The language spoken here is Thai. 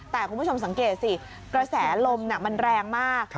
แต่คุณผู้ชมสังเกตสิกระแสลมมันแรงมาก